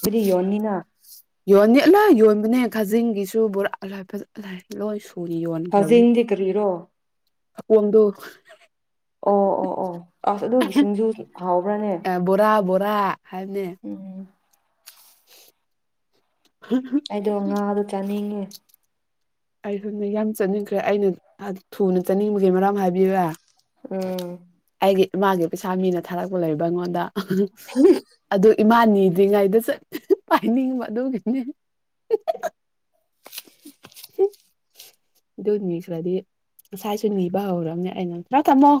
ꯁꯤꯔꯤ ꯌꯣꯅꯤꯅ [unintelligible] ꯂꯥ ꯌꯣꯟꯕꯅꯦ ꯈꯥꯖꯤꯡꯒꯤꯁꯨ ꯕꯣꯔꯥ ꯑꯜ ꯂꯣꯏꯁꯨ ꯐꯖꯦꯡꯗꯤ ꯀꯔꯤꯔꯣ ꯑꯄꯣꯟꯗꯨ ꯑꯣ ꯑꯣ ꯑꯣ ꯑꯁ ꯑꯗꯨꯒꯤꯁꯤꯡꯖꯨꯁꯨ ꯍꯥꯎꯕ꯭ꯔꯅꯦ ꯕꯥ ꯍꯥꯏꯕꯅꯦ [inaudible] ꯑꯩꯗꯣ ꯉꯥ ꯗꯨ ꯆꯥꯅꯤꯡ ꯑꯩ ꯁꯣꯅ ꯌꯥꯝ ꯆꯠꯅꯤꯡꯈ꯭ꯔꯦ ꯑꯩꯅ ꯊꯨꯅ ꯆꯠꯅꯤꯡꯕꯒꯤ ꯃꯔꯝ ꯍꯥꯏꯕꯤꯔꯥ ꯎꯝ ꯃꯥꯥꯒꯤ ꯄꯩꯁꯥ ꯃꯤꯅ ꯊꯥꯔꯛꯄ ꯂꯩꯕ ꯑꯩꯉꯣꯟꯗ ꯑꯗꯨ ꯏꯃꯥꯟ ꯅꯤꯗ꯭ꯔꯤꯉꯩꯗ ꯆꯠ ꯄꯥꯏꯅꯤꯡꯕ ꯑꯗꯨꯒꯤꯅꯦ [inaudible] ꯑꯗꯨ ꯅꯤꯈ꯭ꯔꯗꯤ ꯉꯁꯥꯏꯁꯨ ꯅꯤꯕ ꯍꯧꯔꯝꯅꯦ ꯑꯩꯅ ꯅꯪ ꯊꯝꯃꯣ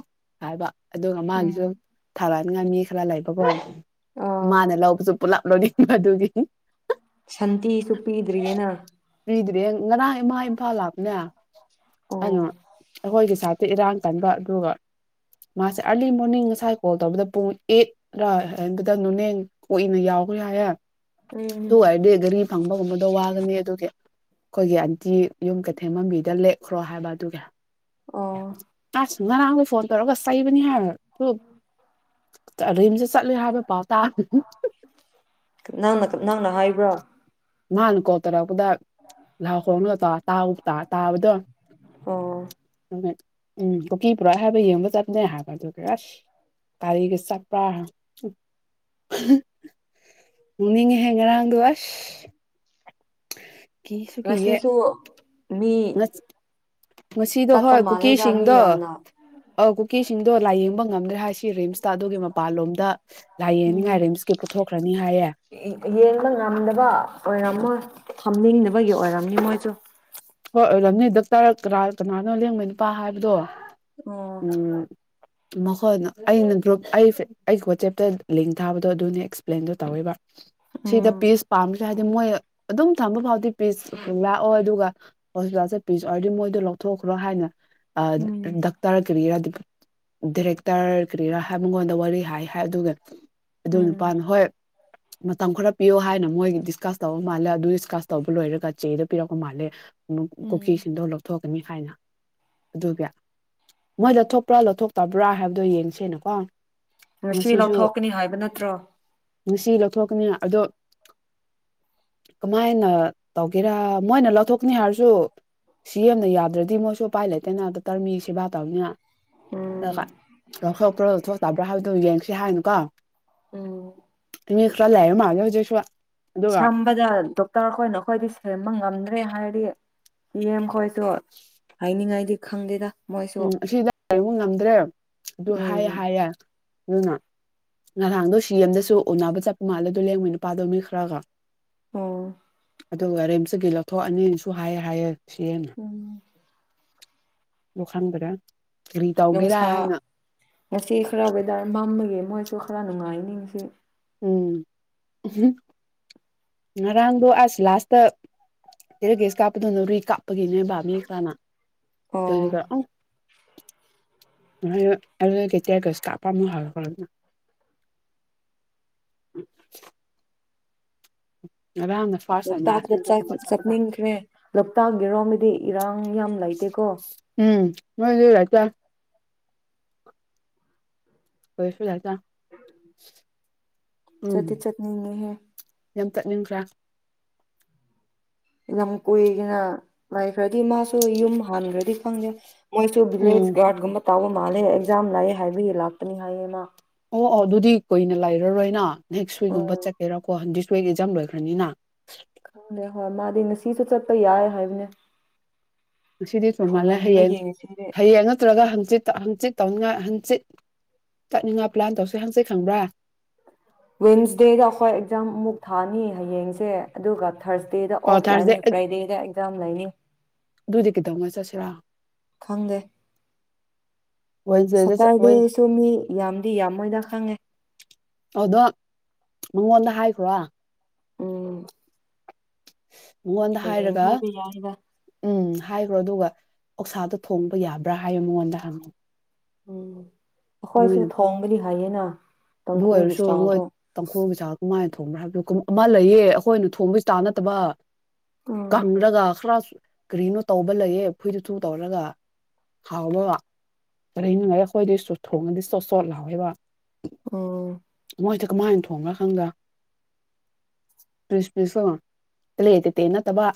ꯍꯥꯏꯕ ꯑꯗꯨꯒ ꯃꯥꯒꯤꯁꯨ ꯎꯝ ꯊꯕꯠ ꯅꯪ ꯃꯤ ꯈꯔꯥ ꯂꯩꯕꯀꯣ ꯑꯥ ꯃꯥꯅ ꯂꯧꯕꯁꯨ ꯄꯨꯂꯥꯞ ꯂꯣꯏꯅꯤꯡꯕꯗꯨꯒꯤ ꯁꯥꯟꯇꯤꯁꯨ ꯄꯤꯗ꯭ꯔꯤꯌꯦꯅ ꯕꯦꯡ ꯉꯔꯥꯡ ꯏꯃꯥ ꯏꯝꯐꯥꯜ ꯂꯥꯛꯄꯅꯦ ꯑꯣ [unintelligible] [unintelligible] ꯏꯔꯥꯡ ꯀꯟꯕ ꯑꯗꯨꯒ ꯃꯥꯁꯦ ꯑꯥꯔꯂꯤ ꯃꯣꯔꯅꯤꯡ ꯉꯁꯥꯏ ꯀꯣꯜ ꯇꯧꯕꯗ ꯄꯨꯡ ꯑꯦ ꯔꯥ ꯍꯥꯏ ꯑꯗꯨꯗ [unintelligible] ꯎꯝ ꯑꯗꯨ ꯑꯣꯏꯔꯗꯤ ꯒꯥꯔꯤ ꯐꯪꯕꯒꯨꯝꯕꯗꯣ ꯋꯥꯒꯅꯤ ꯑꯗꯨ [inaudible] ꯑꯈꯣꯏꯒꯤ ꯑꯟꯇꯤ ꯌꯨꯝ ꯀꯩꯊꯦꯜ ꯃꯟꯕꯤꯗ ꯂꯦꯛꯈ꯭ꯔꯣ ꯍꯥꯏꯕ ꯑꯗꯨꯒꯤ ꯑꯣ ꯑ ꯉꯔꯥꯡꯗꯣ ꯐꯣꯟ ꯇꯧꯔꯒ ꯆꯩꯕꯅꯤ ꯍꯥꯏꯔ ꯊꯨꯏ ꯔꯤꯝꯁ ꯆꯠꯂꯦ ꯍꯥꯏꯕ ꯄꯥꯎ ꯇꯥꯕ ꯅꯪꯅ ꯅꯪꯅ ꯍꯥꯏꯕ꯭ꯔꯥ ꯃꯥꯅ ꯀꯣꯜ ꯇꯔꯛ ꯄꯗꯥ ꯂꯥꯎ ꯈꯣꯡꯂ ꯇ ꯇꯥꯎ ꯇ ꯇꯥꯎꯕꯗꯣ ꯑꯣ ꯎꯝ ꯀꯨꯀꯤ ꯄꯨꯔꯥ ꯍꯥꯏꯕ ꯌꯦꯡꯕ ꯆꯠꯄꯅꯦ ꯍꯥꯏꯕ ꯑꯗꯨꯒ ꯑꯁ ꯀꯥꯔꯤꯒꯤ ꯆꯠꯄ꯭ꯔꯥ ꯎ ꯅꯤꯡꯉꯦꯍꯦ ꯉꯔꯥꯡꯗꯣ ꯑꯁ ꯀꯤꯁꯨ ꯀꯤꯌꯦ ꯉꯁꯤꯁꯨ ꯃꯤ [unintelligible] ꯉꯁꯤꯗꯣ ꯆꯠꯄ ꯍꯣꯏ ꯃꯥꯜꯂꯦꯗ ꯃꯤ ꯀꯨꯀꯤꯁꯤꯡꯗꯣ ꯌꯥꯝꯅ ꯑꯥ ꯀꯦꯁꯤꯡꯗꯣ ꯂꯥꯏꯌꯦꯡꯕ ꯉꯝꯗ꯭ꯔꯦ ꯍꯥꯏꯁꯤ ꯔꯤꯝꯁꯇ ꯑꯗꯨꯒꯤ ꯃꯄꯥꯟꯂꯣꯝꯗ ꯎꯝ ꯂꯥꯏꯌꯦꯡꯅꯤꯉꯥꯏ ꯔꯤꯝꯁꯀꯤ ꯄꯨꯊꯣꯛꯈ꯭ꯔꯅꯤ ꯍꯥꯏꯌꯦ ꯌꯦꯡꯕ ꯉꯝꯗꯕ ꯑꯣꯏꯔꯝꯃꯣꯏ ꯊꯝꯅꯤꯡꯗꯕꯒꯤ ꯑꯣꯏꯔꯝꯅꯤ ꯃꯣꯏꯖꯨ ꯍꯣꯏ ꯑꯣꯏꯔꯝꯅꯤ ꯗꯛꯇꯔ ꯀꯅꯥ ꯀꯅꯥꯅꯣ ꯂꯦꯡꯕ ꯅꯨꯄꯥ ꯍꯥꯏꯕꯗꯣ ꯑꯣ ꯎꯝ ꯃꯈꯣꯏꯅ ꯑꯩꯅ ꯒ꯭ꯔꯨꯞ ꯑꯩ ꯑꯩꯒꯤ ꯋꯥꯆꯦꯞꯇ ꯂꯤꯡ ꯊꯥꯕꯗꯣ ꯑꯗꯨꯅꯦ ꯑꯦꯛꯁꯄ꯭ꯂꯦꯟꯗꯣ ꯇꯧꯌꯦꯕ ꯁꯤꯗ ꯎꯝ ꯄꯤꯁ ꯄꯥꯝꯃꯤꯁꯦ ꯍꯥꯏꯗꯤ ꯃꯣꯏ ꯑꯗꯨꯝ ꯊꯝꯕ ꯐꯥꯎꯗꯤ ꯄꯤꯁ ꯂꯥꯛꯑꯣ ꯑꯗꯨꯒ ꯍꯣꯁꯄꯤꯇꯥꯜꯁꯦ ꯄꯤꯖ ꯍꯥꯏꯔꯗꯤ ꯃꯣꯏꯗꯣ ꯂꯧꯊꯣꯛꯈ꯭ꯔꯣ ꯍꯥꯏꯅ ꯑ ꯎꯝ ꯗꯛꯇꯔ ꯀꯔꯤꯍꯥꯏꯗꯣꯏꯕꯥ ꯗꯤꯔꯦꯛꯇꯔ ꯀꯔꯤꯔꯥ ꯍꯥꯏ ꯃꯉꯣꯟꯗ ꯋꯥꯔꯤ ꯍꯥꯏ ꯍꯥꯏ ꯑꯗꯨꯒ ꯑꯗꯨ ꯎꯝ ꯅꯨꯄꯥꯅ ꯍꯣꯏ ꯃꯇꯝ ꯈꯔ ꯄꯤꯌꯣ ꯍꯥꯏꯅ ꯃꯣꯏ ꯗꯤꯁꯀꯁ ꯇꯧꯕ ꯃꯥꯜꯂꯦ ꯑꯗꯨ ꯗꯤꯁꯀꯁ ꯇꯧꯕ ꯂꯣꯏꯔꯒ ꯆꯦꯗꯣ ꯄꯤꯔꯛꯄ ꯃꯥꯜꯂꯦ ꯀꯨꯀꯤ ꯎꯝ ꯁꯤꯟꯗꯣꯛ ꯂꯧꯊꯣꯛ ꯀꯅꯤ ꯍꯥꯏꯅ ꯑꯗꯨꯒꯤ ꯃꯣꯏ ꯂꯧꯊꯣꯛꯄ꯭ꯔꯥ ꯂꯧꯊꯣꯛꯇꯕ꯭ꯔꯥ ꯍꯥꯏꯕꯗꯣ ꯌꯦꯡꯁꯦꯅꯀꯣ ꯉꯁꯤ ꯉꯁꯤꯁꯨ ꯂꯧꯊꯣꯛꯀꯅꯤ ꯍꯥꯏꯕ ꯅꯠꯇ꯭ꯔꯣ ꯉꯁꯤ ꯂꯧꯊꯣꯛꯀꯅꯤ ꯑꯗꯣ ꯀꯃꯥꯏꯅ ꯇꯧꯒꯦꯔꯥ ꯃꯣꯏꯅ ꯂꯧꯊꯣꯛ ꯅꯤ ꯍꯥꯏꯔꯁꯨ ꯁꯤ ꯌꯦꯝꯅ ꯌꯥꯗ꯭ꯔꯥꯗꯤ ꯃꯣꯏꯁꯨ ꯎꯄꯥꯏ ꯂꯩꯇꯦꯅ ꯗꯛꯇꯔꯃꯤ ꯁꯦꯕꯥ ꯇꯧꯅꯤꯅ ꯎꯝ ꯂꯧꯊꯣꯛꯄ꯭ꯔꯥ ꯂꯧꯊꯣꯛꯇꯕ꯭ꯔꯥ ꯍꯥꯏꯕꯗꯣ ꯌꯦꯡꯁꯤ ꯍꯥꯏꯅꯀꯣ ꯎꯝ ꯃꯤ ꯇꯜꯂꯩꯔꯕ ꯃꯥꯜꯂꯦ ꯍꯧꯖꯤꯛꯁꯨ ꯑꯗꯨꯒ ꯁꯝꯕꯗ ꯗꯣꯛꯇꯔ ꯑꯩꯈꯣꯏꯅ ꯑꯩꯈꯣꯏꯗꯤ ꯁꯦꯝꯕ ꯉꯝꯗꯦ ꯔꯦ ꯍꯥꯏꯔꯗꯤ ꯁꯤꯑꯦꯝ ꯈꯣꯏꯁꯨ ꯍꯥꯏꯅꯤꯡꯉꯥꯏꯗꯤ ꯈꯪꯗꯦꯗ ꯃꯣꯏꯁꯨ ꯎꯝ ꯑꯁꯤꯗ ꯕ ꯉꯝꯗ꯭ꯔꯦ ꯑꯗꯨ ꯍꯥꯏꯌꯦ ꯎꯝ ꯍꯥꯏꯌꯦ ꯑꯗꯨꯅ ꯉꯔꯥꯡꯗꯣ ꯁꯤ ꯑꯦꯝꯗꯁꯨ ꯎꯅꯕ ꯆꯠꯄ ꯃꯥꯜꯂꯦꯗꯣ ꯂꯦꯡꯕ ꯅꯨꯄꯥꯗꯣ ꯃꯤ ꯈꯔꯒ ꯑꯝ ꯑꯗꯨꯒ ꯔꯤꯝꯁꯇꯒꯤ ꯂꯧꯊꯣꯛꯑꯅꯤꯁꯨ ꯍꯥꯏꯌꯦ ꯍꯥꯏꯌꯦ ꯁꯤ ꯎꯝ ꯗꯣ ꯈꯪꯗꯔꯦ ꯅꯨꯡꯁꯥ ꯉꯁꯤ ꯈꯔ ꯋꯦꯗꯔ ꯃꯝꯃꯒꯤ ꯃꯣꯏꯁꯨ ꯈꯔ ꯅꯨꯡꯉꯥꯏ ꯅꯤꯡ ꯁꯤ ꯎꯝ ꯎꯝ ꯉꯔꯥꯡꯗꯣ ꯑꯁ ꯂꯥꯁꯇ ꯇꯦꯔꯒꯦꯁ ꯀꯥꯞꯄꯗꯨ ꯅꯧꯔꯤ ꯀꯥꯞ ꯄꯒꯤꯅꯦꯕꯥꯥ ꯃꯤ ꯈ꯭ꯔꯅꯥ ꯇꯧꯗꯨꯏ ꯑꯣ ꯀ ꯑ ꯑꯗꯩ ꯇꯤꯌꯔ ꯒꯌꯥꯁ ꯀꯥꯄꯄꯥ ꯃꯣꯏ ꯍꯧꯔꯛꯈꯕꯅꯦ [inaudible] ꯐꯥꯔꯁ ꯑꯦꯟ ꯂꯣꯛꯇꯥꯛꯇ ꯂꯥꯁꯅꯦ ꯑꯗꯨꯒꯨꯝꯕ ꯆꯠꯄꯗꯣ ꯆꯠꯅꯤꯡꯈ꯭ꯔꯦ ꯂꯣꯛꯇꯥꯛ ꯌꯦꯔꯣꯝꯗꯗꯤ ꯏꯔꯥꯡ ꯌꯥꯝ ꯂꯩꯇꯦꯀꯣ ꯃꯣꯏꯗꯤ ꯂꯩꯇꯦ ꯍꯣꯏꯁꯨ ꯂꯩꯇꯦ [inaudible] ꯆꯇꯤ ꯆꯠꯅꯤꯉꯤꯍꯦ ꯅꯪ ꯆꯠꯅꯤꯡꯗ꯭ꯔꯥ ꯌꯥꯝ ꯀꯨꯏꯒꯅ ꯂꯩꯈ꯭ꯔꯗꯤ ꯃꯥꯁꯨ ꯌꯨꯝ ꯍꯥꯟꯈ꯭ꯔꯗꯤ ꯈꯪꯗꯦ ꯃꯣꯏꯁꯨ ꯎꯝ ꯕꯤꯂꯦꯖ ꯒꯥꯔꯗ ꯒꯨꯝꯕ ꯇꯥꯕ ꯃꯥꯜꯂꯦ ꯑꯦꯛꯖꯥꯝ ꯂꯩꯑꯦ ꯍꯥꯏꯕꯒꯤ ꯂꯥꯛꯄꯅꯤ ꯍꯥꯏꯌꯦ ꯃꯥ ꯑꯣ ꯑꯣ ꯑꯗꯨꯗꯤ ꯀꯨꯏꯅ ꯂꯩꯔꯔꯣꯏꯅ ꯅꯦꯛꯁ ꯋꯤꯛꯀꯨꯝꯕ ꯎꯝ ꯆꯠꯀꯦꯔꯣ ꯍꯟꯗꯤ ꯁꯣꯏ ꯏꯖꯝ ꯂꯣꯏꯈ꯭ꯔꯅꯤꯅ ꯈꯪꯗꯦ ꯍꯣꯏ ꯃꯥꯗꯤ ꯉꯁꯤꯁꯨ ꯆꯠꯄ ꯌꯥꯏ ꯍꯥꯏꯕꯅꯦ ꯉꯁꯤꯗꯤ ꯆꯨꯝ ꯃꯥꯜꯂꯦ ꯍꯌꯦꯡ ꯊꯨꯃꯟꯕꯒꯤ ꯉꯁꯤꯗꯤ ꯍꯌꯦꯡ ꯅꯠꯇ꯭ꯔꯒ ꯍꯪꯆꯤꯠ ꯍꯪꯆꯤꯠ ꯇꯧꯅꯤꯡꯉꯥꯏ ꯍꯪꯆꯤꯠ ꯇꯠꯅꯤꯡꯉꯥꯏ ꯄ꯭ꯂꯥꯟ ꯇꯧꯁꯤ ꯍꯪꯆꯤꯠ ꯁꯪꯕ꯭ꯔꯥ ꯋꯤꯟꯁꯗꯦꯗ ꯑꯩꯈꯣꯏ ꯑꯦꯛꯖꯥꯝ ꯑꯃꯨꯛ ꯊꯥꯅꯤ ꯍꯌꯦꯡꯁꯦ ꯑꯗꯨꯒ ꯊꯥꯔꯁꯗꯦꯗ ꯑꯣ ꯑꯣꯐ ꯊꯥꯔꯁꯗꯦ ꯂꯥꯛꯅꯤ ꯐ꯭ꯔꯥꯏꯗꯦꯗ ꯑꯦꯛꯖꯥꯝ ꯂꯩꯅꯤ ꯑꯗꯨꯗꯤ ꯀꯩꯗꯧꯉꯩ ꯆꯠꯁꯤꯔꯥ ꯈꯪꯗꯦ ꯋꯦꯟꯁꯗꯦꯗ ꯆꯠ ꯋꯦꯟ ꯁꯇꯔꯗꯦꯁꯨ ꯃꯤ ꯌꯥꯝꯗꯤ ꯌꯥꯝꯃꯣꯏꯗ ꯈꯪꯉꯦ ꯃꯪꯉꯣꯟꯗ ꯍꯥꯏꯈ꯭ꯔꯣ ꯎꯝ ꯃꯉꯣꯟꯗ ꯍꯌꯦꯡ ꯍꯥꯏꯔꯒ ꯍꯥꯏꯕ ꯌꯥꯏꯗ ꯎꯝ ꯍꯥꯏꯈ꯭ꯔꯣ ꯑꯗꯨꯒ ꯑꯣꯛꯁꯥꯗꯣ ꯊꯣꯡꯕ ꯌꯥꯕ꯭ꯔꯥ ꯍꯥꯏꯕ ꯃꯉꯣꯟꯗ ꯍꯪꯉꯨ ꯎꯝ ꯈꯣꯏꯁꯨ ꯊꯣꯡꯒꯂꯤ ꯌꯥꯌꯦꯅ ꯑꯗꯨ ꯑꯣꯏꯔꯁꯨ ꯃꯣꯏ ꯇꯪꯈꯨꯜꯒꯤ ꯆꯥꯛ ꯀꯃꯥꯏꯅ ꯊꯣꯡꯕ꯭ꯔꯥ ꯍꯥꯏꯕꯗꯣ ꯀ ꯑꯃ ꯂꯩꯌꯦ ꯑꯩꯈꯣꯏꯅ ꯊꯣꯡꯕ ꯁꯇꯥꯏꯜ ꯅꯠꯇꯕ ꯀꯪ ꯎꯝ ꯂꯒ ꯈꯔꯁꯨ ꯀꯔꯤꯅꯣ ꯇꯧꯕ ꯂꯩꯌꯦ ꯐꯨꯏꯗꯨ ꯊꯨ ꯇꯧꯔꯒ ꯍꯥꯎꯕꯕ ꯀ ꯅꯨꯡꯉꯥꯏꯔ ꯍꯣꯏꯗꯣꯏꯁꯨ ꯊꯣꯡꯉꯗꯤ ꯆꯣꯠ ꯆꯣꯠ ꯂꯥꯎꯋꯦꯕ ꯎꯝ ꯃꯣꯏꯗꯨ ꯀꯃꯥꯏꯅ ꯊꯣꯡꯒꯥ ꯈꯪꯗꯦ [unintelligible] ꯅꯠꯇꯕ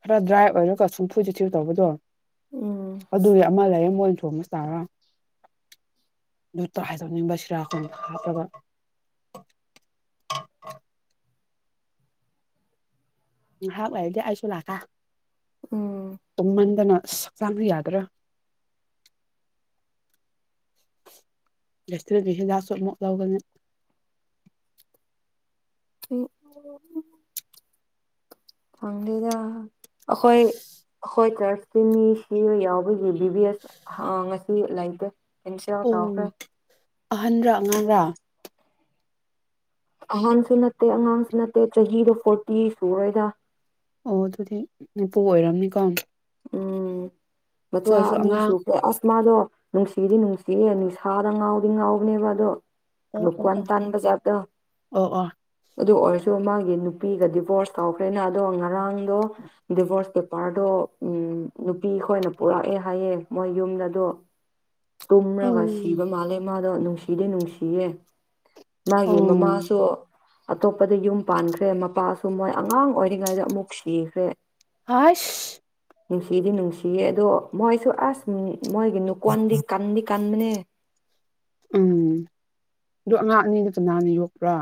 ꯈꯔ ꯗ꯭ꯔꯥꯏ ꯑꯣꯏꯔꯒ ꯁꯨꯝꯐꯨ ꯆꯦꯠ ꯊꯤꯕ ꯇꯧꯕꯗꯣ ꯎꯝ ꯑꯗꯨꯏ ꯑꯃ ꯂꯩꯌꯦ ꯃꯣꯏ [unintelligible] [unintelligible] ꯍꯥꯏꯉꯥꯛ ꯂꯩꯔꯗꯤ ꯑꯩꯁꯨ ꯂꯥꯛꯀꯦ ꯎꯝ ꯇꯨꯝꯃꯟꯗꯅ ꯑꯁ ꯍꯛꯆꯥꯡꯁꯨ ꯌꯥꯗ꯭ꯔꯦ ꯂꯦꯁꯇ ꯍꯤꯟꯗꯥꯛꯁꯨ ꯑꯃꯨꯛ ꯂꯧꯒꯅꯤ ꯎ ꯐꯪꯗꯦꯗ ꯑꯩꯈꯣꯏ ꯑꯩꯈꯣꯏ ꯆꯔꯆꯁꯤ ꯃꯤ ꯁꯤ ꯌꯥꯎꯕꯒꯤ ꯕꯤ ꯕꯤ ꯑꯦꯁ ꯉꯁꯤ ꯂꯩꯇꯦ ꯀꯦꯟꯁꯦꯜ ꯇꯧꯈꯔꯦ ꯑꯍꯟꯔ ꯑꯉꯥꯡꯔꯥ ꯑꯍꯟꯁꯨ ꯅꯠꯇꯦ ꯑꯉꯥꯡꯁꯨ ꯅꯠꯇꯦ ꯆꯍꯤꯗꯣ ꯐꯣꯔꯇꯤ ꯁꯨꯔꯦꯗ ꯑꯣ ꯑꯗꯨꯗꯤ ꯃꯄꯨ ꯑꯣꯏꯔꯝꯅꯤꯀꯣ ꯎꯝ ꯃꯆꯥ ꯑꯣꯏꯔꯁꯨ ꯑꯅꯤ ꯑꯉꯥꯡ ꯁꯨꯈꯔꯦ ꯑꯁ ꯃꯥꯗꯣ ꯅꯨꯡꯁꯤꯗꯤ ꯅꯨꯡꯁꯤꯌꯦ ꯅꯤꯁꯥꯗ ꯉꯥꯎꯗꯤ ꯉꯥꯎꯕꯅꯦꯕ ꯑꯗꯣ ꯑꯣ ꯑꯣ ꯂꯨꯋꯥꯟ ꯑꯣ ꯇꯥꯟꯕꯖꯥꯗ ꯑꯣ ꯑꯣ ꯑꯗꯨ ꯑꯣ ꯑꯗꯣ ꯃꯥꯒꯤ ꯅꯨꯄꯤꯒ ꯗꯤꯕꯣꯔꯁ ꯇꯧꯈ꯭ꯔꯦꯅ ꯑꯗꯣ ꯉꯔꯥꯡ ꯗꯣ ꯗꯤꯚꯣꯔꯁ ꯄꯦ ꯄꯥꯔꯗꯣ ꯎꯝ ꯅꯨꯄꯤ ꯈꯣꯏꯅ ꯄꯨꯔꯛꯑꯦ ꯍꯥꯏꯌꯦ ꯃꯣꯏ ꯌꯨꯝꯗ ꯑꯗꯣ ꯇꯨꯝ꯭ꯔꯥꯒ ꯎꯝ ꯁꯤꯕ ꯃꯥꯂꯦ ꯃꯥꯗꯣ ꯅꯨꯡꯁꯤꯗꯤ ꯅꯨꯡꯁꯤꯌꯦ ꯃꯥꯒꯤ ꯑꯣ ꯃꯃꯥꯁꯨ ꯑꯇꯣꯞꯄꯗ ꯌꯨꯝ ꯄꯥꯟꯈ꯭ꯔꯦ ꯃꯄꯥꯁꯨ ꯃꯣꯏ ꯑꯉꯥꯡ ꯑꯣꯏꯔꯤꯉꯩꯗ ꯑꯃꯨꯛ ꯁꯤꯈ꯭ꯔꯦ ꯍꯁ ꯅꯨꯡꯁꯤꯗꯤ ꯅꯨꯡꯁꯤꯌꯦ ꯑꯗꯣ ꯃꯣꯏꯁꯨ ꯑꯁ ꯃꯣꯏꯒꯤ ꯅꯨ ꯀꯣꯟꯗꯤ ꯀꯟꯗꯤ ꯀꯟꯕꯅꯦ ꯎꯝ ꯑꯗꯨ ꯑꯉꯥꯡ ꯑꯅꯤꯗꯨ ꯀꯅꯥꯅ ꯌꯣꯛꯄ꯭ꯔꯥ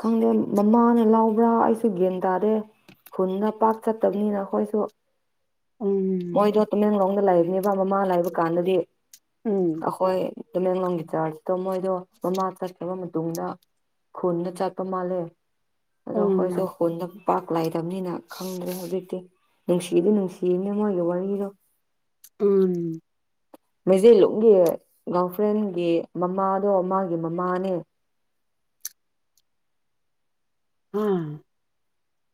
ꯈꯪꯗꯦ ꯃꯃꯥꯅꯦ ꯂꯥꯎꯕ꯭ꯔꯥ ꯑꯩꯁꯨ ꯒ꯭ꯦꯟ ꯇꯥꯗꯦ ꯈꯨꯟꯗ ꯄꯥꯛ ꯆꯠꯇꯕꯅꯤꯅ ꯑꯩꯈꯣꯏꯁꯨ ꯎꯝ ꯃꯣꯏꯗ ꯇꯃꯦꯡꯂꯥꯡ ꯂꯩꯕꯅꯦꯕ ꯃꯃꯥ ꯂꯩꯕ ꯀꯥꯟꯗꯗꯤ ꯎꯝ ꯑꯈꯣꯏ ꯇꯃꯦꯡꯂꯣꯡꯒꯤ ꯆꯥꯔꯆꯇ ꯃꯣꯏꯗꯣ ꯃꯃꯥ ꯆꯠꯈ꯭ꯔꯕ ꯃꯇꯨꯡꯗ ꯈꯨꯟꯗ ꯆꯠꯄ ꯃꯥꯂꯦ ꯑꯗꯣ ꯑꯈꯣꯏꯁꯨ ꯎꯝ ꯀꯨꯏꯅ ꯄꯥꯛꯂꯩ ꯅꯤꯅ ꯈꯪꯗ꯭ꯔꯦ ꯍꯧꯖꯤꯛꯇꯤ ꯅꯨꯡꯁꯤꯕ ꯅꯨꯡꯁꯤꯕꯅꯦ ꯃꯣꯏꯒꯤ ꯋꯥꯔꯤꯔꯣ ꯎꯝ ꯃꯩꯖꯂꯨꯡꯒꯤ ꯒꯥꯔꯜ ꯐ꯭ꯔꯦꯟꯒꯤ ꯃꯃꯥꯗꯣ ꯃꯥꯒꯤ ꯃꯃꯥꯅꯦ ꯎꯝ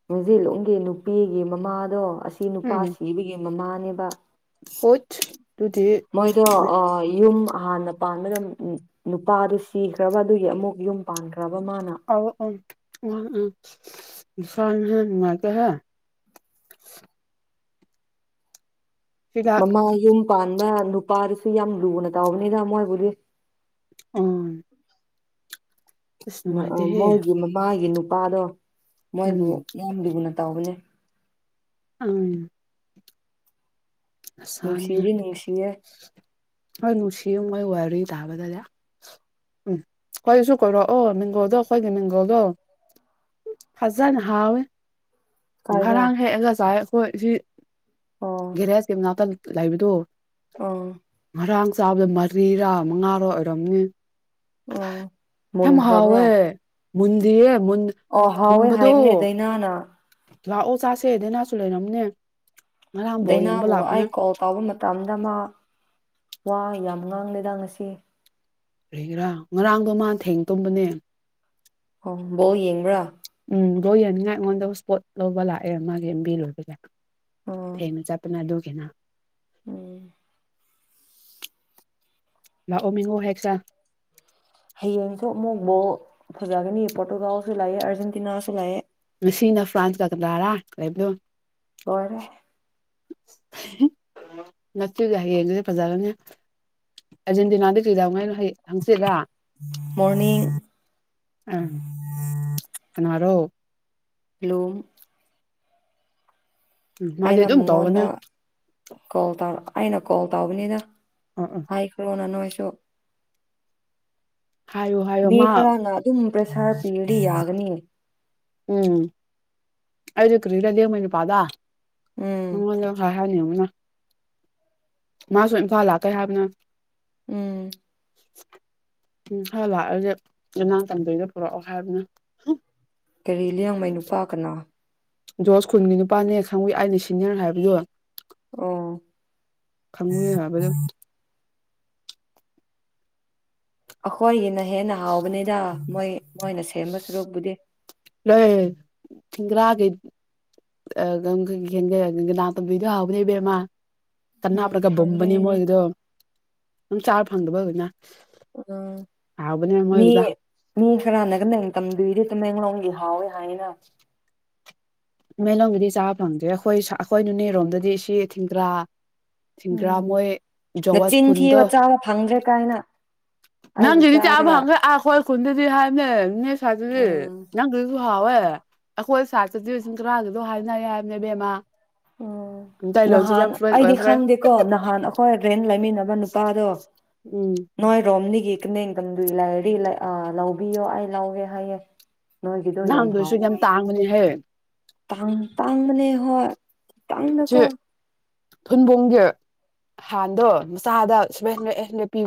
ꯃꯖꯤꯂꯣꯝꯒꯤ ꯅꯨꯄꯤꯒꯤ ꯃꯃꯥꯗꯣ ꯁꯤꯅꯨꯄꯥꯁꯤꯕꯒꯦ ꯃꯃꯥꯅꯦꯅꯕ ꯍꯣꯠ ꯇꯨꯗꯤ ꯌꯨꯝ ꯍꯥꯟꯅ ꯄꯥꯟꯕꯅ ꯅꯨꯄꯥꯗꯨ ꯁꯤꯈ꯭ꯔꯕ ꯑꯗꯨꯒꯤ ꯑꯃꯨꯛ ꯌꯨꯝ ꯄꯥꯟꯈ꯭ꯔ ꯑꯣ ꯑꯣ ꯎꯝ ꯎꯝ ꯏꯁꯥꯅꯦꯍꯦ ꯅꯨꯪꯉꯥꯏꯇꯦ ꯍꯦ ꯍꯤꯗꯥꯛ ꯃꯃꯥ ꯌꯨꯝ ꯄꯥꯟ ꯅꯨꯄꯥꯗꯨꯁꯨ ꯌꯥꯝ ꯂꯨꯅ ꯇꯧꯕꯅꯤꯗ ꯃꯣꯏꯕꯨꯗꯤ ꯎꯝ ꯑꯁ ꯃ ꯅꯨꯡꯉꯥꯏꯇꯦꯍꯦ ꯃꯣꯏꯒꯤ ꯃꯃꯥꯒꯤ ꯅꯨ ꯄꯥꯥꯗꯣ ꯎꯝ ꯃꯣꯏꯕꯨ ꯌꯝꯂꯨꯅ ꯇꯧꯕꯅꯤ ꯑꯝ ꯅꯨꯡꯁꯤꯗꯤ ꯅꯨꯡꯁꯤꯌꯦ ꯍꯣꯏ ꯅꯨꯡꯁꯤꯌꯦ ꯃꯣꯏ ꯋꯥꯔꯤ ꯇꯥꯕꯗꯗꯤ ꯎꯝ ꯑꯩꯈꯣꯏꯁꯨ ꯀꯣꯏꯔꯛꯑꯣ ꯃꯤꯡꯒꯧꯗꯣ ꯑꯩꯈꯣꯏꯒꯤ ꯃꯤꯡꯒꯩꯗꯣ ꯐꯖꯅ ꯍꯥꯎꯋꯦ ꯀꯥꯏꯗ ꯉꯔꯥꯡ ꯍꯦꯛꯑꯒ ꯆꯥꯏ ꯍꯣꯏ ꯖꯤ ꯑꯣ ꯒꯦꯔꯦꯁ ꯇꯤꯝ ꯃꯅꯥꯛꯇ ꯂꯩꯕꯗꯣ ꯑꯥ ꯉꯔꯥꯡ ꯆꯥꯕꯗ ꯃꯔꯤꯔꯥ ꯃꯉꯥꯔꯣ ꯑꯣꯏꯔꯝꯅꯤ ꯑꯥ ꯌꯥꯝ ꯃꯨꯟꯈ꯭ꯔꯕ꯭ꯔꯥ ꯍꯥꯎꯋꯦ ꯃꯨꯟꯗꯤꯌꯦ ꯃꯨꯟ ꯑꯣ ꯍꯥꯎꯋꯦ ꯍꯥꯏꯕꯅꯦ ꯊꯨꯝꯕꯗꯣ ꯗꯥꯏꯅꯥꯅ ꯂꯥꯛꯑꯣ ꯆꯥꯁꯦ ꯗꯅꯔ꯭ꯖꯁꯨ ꯂꯩꯔꯝꯅꯦ ꯉꯔꯥꯡ ꯕꯣꯜ ꯌꯦꯡꯕ ꯗꯥꯏꯅꯥꯕꯨ ꯑꯩ ꯂꯥꯛꯄꯅꯦ ꯀꯣꯜ ꯇꯧꯕ ꯃꯇꯝ ꯗꯃ ꯋꯥ ꯌꯥꯝ ꯉꯥꯡꯂꯦꯗ ꯉꯁꯤ ꯂꯩꯒꯦꯔꯥ ꯉꯔꯥꯡꯗꯣ ꯃꯥ ꯊꯦꯡ ꯇꯨꯝꯕꯅꯦ ꯑꯣ ꯕꯣꯜ ꯌꯦꯡꯕ꯭ꯔꯥ ꯕꯣꯜ ꯌꯦꯡꯅꯤꯡꯉꯥꯏ ꯑꯩꯉꯣꯟꯗ ꯁꯄꯣꯠ ꯂꯧꯕ ꯂꯛ ꯃꯒꯤ ꯃꯤ ꯂꯣꯏꯔꯛꯄꯒꯤ ꯑꯣ ꯊꯦꯝꯅ ꯆꯥꯠ ꯇꯨꯅ ꯑꯗꯨꯝ ꯀꯩꯅ ꯎꯝ ꯂꯥꯛꯑꯣ ꯃꯤꯡꯉꯣ ꯍꯦꯛꯁꯦ ꯍꯌꯦꯡꯁꯨ ꯃꯨꯛ ꯕꯣꯜ ꯐꯖꯒꯅꯤ ꯄꯣꯔꯇꯨꯒꯥꯜꯁꯨ ꯂꯩꯌꯦ ꯑꯥꯔꯖꯦꯟꯇꯤꯅꯥꯁꯨ ꯂꯩꯌꯦ ꯁꯤꯅ ꯐ꯭ꯔꯥꯟꯁꯒ ꯀꯅꯥꯔꯥ ꯂꯩꯕꯗꯨ ꯂꯣꯏꯔꯦ ꯍꯥꯍꯤ ꯉꯁꯤꯘꯒ ꯍꯌꯦꯡꯗꯗꯤ ꯐꯖꯔꯅꯦ ꯑꯦꯔꯖꯦꯟꯇꯤꯅꯥꯗꯤ ꯀꯩꯗꯧꯉꯩꯅꯣ ꯍꯌꯦ ꯍꯪꯆꯤꯠꯂꯥ ꯃꯣꯔꯅꯤꯡ ꯀꯅꯔꯣ ꯂꯨꯝ ꯎꯝ ꯃꯥꯗꯤ ꯑꯩꯅ ꯑꯗꯨꯝ ꯇꯧꯕꯅꯦ ꯃꯉꯣꯟꯗ ꯀꯣꯜ ꯇꯥꯥꯔ ꯑꯩꯅ ꯀꯣꯜ ꯇꯧꯕꯅꯤꯅ ꯑ ꯑ ꯍꯥꯏꯈ꯭ꯔꯣꯅ ꯅꯣꯏꯁꯨ ꯆꯣ ꯍꯥꯏꯌꯣ ꯍꯥꯏꯌꯣ ꯃꯤ ꯃꯥ ꯈꯔꯅ ꯑꯗꯨꯝ ꯄ꯭ꯔꯦꯁꯥꯔ ꯄꯤꯗꯤ ꯌꯥ ꯑꯅꯤ ꯎꯝ ꯑꯩꯗꯤ ꯀꯔꯤꯔ ꯂꯦꯡꯕꯩ ꯅꯨꯄꯥꯗꯣ ꯎꯝ [unintelligible] ꯍꯥꯏꯅꯤ ꯑꯃꯨꯅ ꯃꯥꯁꯨ ꯏꯝꯐꯥꯜ ꯂꯥꯛꯀꯦ ꯍꯥꯏꯕꯅꯦ ꯎꯝ ꯎꯝ ꯈꯔ ꯂꯥꯛꯑꯁꯦ ꯌꯅꯥ ꯇꯗꯣꯏꯗ ꯄꯨꯔꯛꯑꯣ ꯍꯥꯏꯕꯅꯦ ꯀꯔꯤ ꯂꯤꯌꯥꯡꯃꯩ ꯅꯨꯄꯥ ꯀꯅꯥ ꯖꯣꯁ ꯈꯨꯟꯒꯤ ꯅꯨꯄꯥꯅꯦ ꯈꯪꯕ ꯑꯩꯅ ꯁꯤꯅꯤꯌꯔ ꯍꯥꯏꯕꯗꯣ ꯑꯣ ꯈꯪꯉꯨꯌꯦ ꯍꯥꯏꯕꯗꯣ ꯑꯈꯣꯏꯒꯤꯅ ꯍꯦꯟꯅ ꯍꯥꯎꯕꯅꯤꯗ ꯃꯣꯏ ꯃꯣꯏꯅ ꯁꯦꯝꯕ ꯁꯨꯔꯨꯞꯄꯗꯤ [unintelligible] [unintelligible] ꯎꯝ ꯈꯪꯗꯦ ꯑꯩꯗꯤ ꯑꯗꯨꯝ ꯆꯥꯔ ꯐꯪꯗꯕ ꯑꯣꯏꯒꯅꯦ ꯎ ꯃꯤ ꯃꯣꯏꯒꯤꯗꯣ ꯃꯤ ꯈꯔ ꯍꯅꯒ ꯇꯝꯗꯣꯏꯗꯤ ꯇꯃꯦꯡꯂꯣꯡ ꯍꯥꯥꯎꯋꯦ [unintelligible] ꯃꯦꯂꯣꯡꯒꯤꯗꯤ ꯆꯥꯕ ꯐꯪꯗꯦ ꯑꯩꯈꯣꯏ ꯑꯩꯈꯣꯏ ꯅꯣꯅꯦꯔꯣꯝꯗꯗꯤ ꯁꯤ ꯊꯤꯡꯗ꯭ꯔꯥ ꯊꯤꯡꯒ꯭ꯔꯥ ꯎꯝ ꯃꯣꯏ ꯖꯣꯋꯥꯁ ꯅꯆꯤꯟ ꯈꯨꯟꯗꯣ ꯊꯤꯕ ꯆꯥꯕ ꯐꯪꯗ꯭ꯔꯦ ꯀꯥꯏꯅ ꯑꯩꯒꯤ ꯅꯪꯒꯤꯗꯤ ꯆꯥ ꯆꯥꯔꯒ ꯐꯪꯒ ꯑ ꯈꯣꯏ ꯎꯝ [unintelligible] [unintelligible] [unintelligible] ꯂꯤꯁꯤꯡ ꯇꯔꯥꯗꯨꯕꯨ ꯍꯥꯏꯅꯔꯦ ꯍꯥꯏꯕꯅꯦ ꯏꯕꯦꯝꯃꯥ ꯎꯝ ꯅꯍꯥꯟ ꯑꯩꯗꯤ ꯑꯣꯏꯈ꯭ꯔꯦ ꯈꯪꯗꯦꯀꯣ ꯅꯍꯥꯟ ꯑꯩꯈꯣꯏ ꯔꯦꯟ ꯂꯩꯃꯤꯟꯅꯕ ꯅꯨꯄꯥꯗꯣ ꯎꯝ ꯅꯣꯏ ꯔꯣ ꯇꯣꯝꯅꯤꯒꯤ ꯅꯤꯡꯗꯝꯗꯨ ꯏ ꯂꯥꯏꯔꯤ ꯑ ꯂꯧꯕꯤꯌꯣ ꯑꯩ ꯂꯧꯒꯦ ꯍꯥꯏꯌꯦꯦ [unintelligible] ꯅꯍꯥꯟꯗꯨꯁꯨ ꯌꯥꯝ ꯇꯥꯡꯕꯅꯦꯍꯦ ꯇꯥꯡ ꯇꯥꯡ ꯕꯅꯦ ꯍꯣꯏ ꯇꯥꯡꯗꯆꯣ ꯊꯨꯟꯕꯣꯡꯒꯤ ꯍꯥꯟꯗꯣ ꯃꯆꯥꯗ ꯁꯕꯦꯟ ꯍꯟꯗꯔꯦꯠ ꯑꯥꯏꯠ ꯍꯟꯗꯔꯦꯠ ꯄꯤ